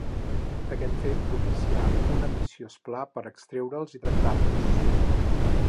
Aquest fet propicià un ambiciós pla per extreure'ls i tractar-los.